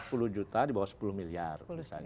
di atas sepuluh juta di bawah sepuluh miliar